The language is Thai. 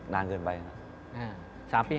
นานเกินไปครับ